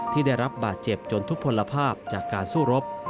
ที่ได้รับบาดเจ็บจนทุกผลภาพจากการสู้รบ